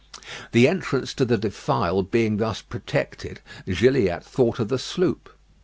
The entrance to the defile being thus protected, Gilliatt thought of the sloop.